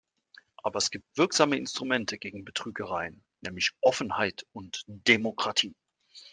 Aber es gibt wirksame Instrumente gegen Betrügereien, nämlich Offenheit und Demokratie.